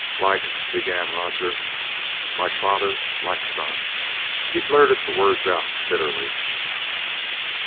"Like " began Roger, "like father like son!" He blurted the words out bitterly.